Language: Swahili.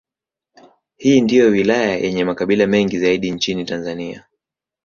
Hii ndiyo wilaya yenye makabila mengi zaidi nchini Tanzania.